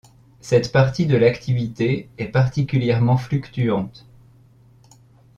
Cette partie de l'activité est particulièrement fluctuante.